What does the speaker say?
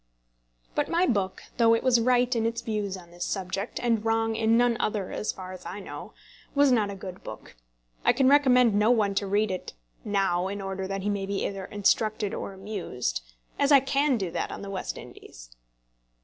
But my book, though it was right in its views on this subject, and wrong in none other as far as I know, was not a good book. I can recommend no one to read it now in order that he may be either instructed or amused, as I can do that on the West Indies.